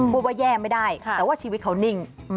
พูดว่าแย่ไม่ได้แต่ว่าชีวิตเขานิ่ง